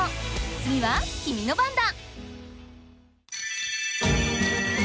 つぎは君の番だ！